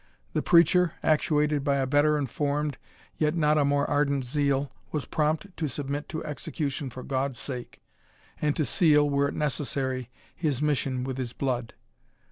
The preacher, actuated by a better informed, yet not a more ardent zeal, was prompt to submit to execution for God's sake, and to seal, were it necessary, his mission with his blood.